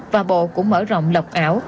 và bộ cũng mở rộng lọc ảo